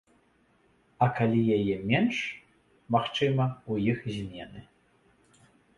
А калі яе менш, магчыма, у іх змены.